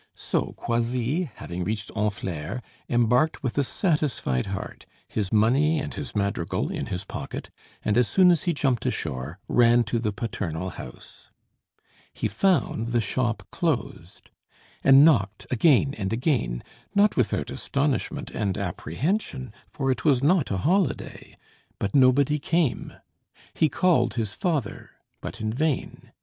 So Croisilles, having reached Honfleur, embarked with a satisfied heart, his money and his madrigal in his pocket, and as soon as he jumped ashore ran to the paternal house. He found the shop closed, and knocked again and again, not without astonishment and apprehension, for it was not a holiday; but nobody came. He called his father, but in vain.